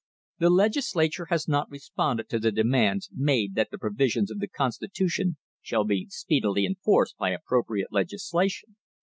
The Legislature has not responded to the demands made that the provisions of the constitution shall be speedily enforced by appropriate legislation.